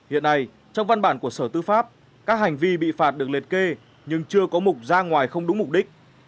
hiện nay trong văn bản của sở tư pháp các hành vi bị phạt được liệt kê nhưng chưa có mục ra ngoài không đúng mục đích